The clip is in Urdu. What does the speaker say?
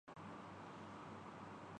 مایوسی اس بنا پہ بڑھتی جا رہی ہے۔